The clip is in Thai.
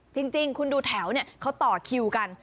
จริงคุณดูแถวเนี่ยเขาต่อคิวกัน